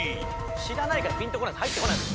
知らないからピンとこないっす入ってこないの。